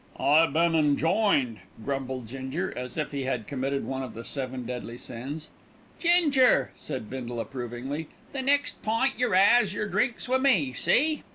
"I been an' joined," grumbled Ginger, as if he had committed one of the Seven Deadly Sins. "Ginger," said Bindle approvingly, "the next pint yer 'as yer drinks wi' me, see?"